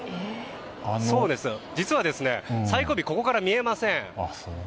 実は最後尾、ここから見えません。